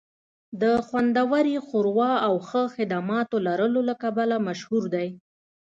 د خوندورې ښوروا او ښه خدماتو لرلو له کبله مشهور دی